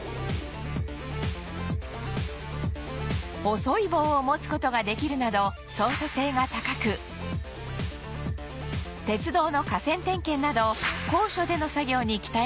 細い棒を持つ事ができるなど操作性が高く鉄道の架線点検など高所での作業に期待が寄せられています